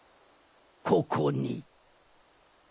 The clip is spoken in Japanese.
ここに。